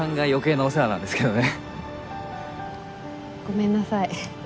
ごめんなさい。